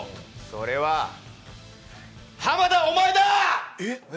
それは濱田、お前だ！！